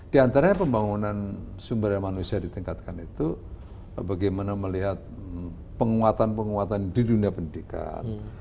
di antaranya pembangunan sumber daya manusia ditingkatkan itu bagaimana melihat penguatan penguatan di dunia pendidikan